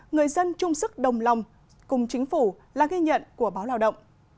người dân chung sức đồng lòng cùng chính phủ là ghi nhận của báo lao động